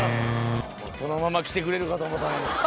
そのまま来てくれるかと思うたのに。